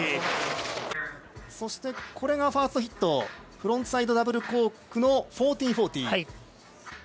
そしてこれがファーストヒットフロントサイドダブルコークの１４４０。